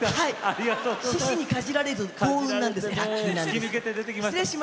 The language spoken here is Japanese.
獅子にかじられると幸運なんです。